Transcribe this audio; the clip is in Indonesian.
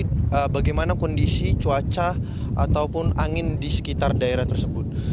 bagaimana kondisi cuaca ataupun angin di sekitar daerah tersebut